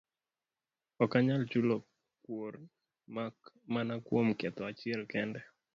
Ok anyal chulo kuor, mak mana kuom ketho achiel kende.